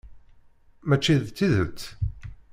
Mačči d tidet?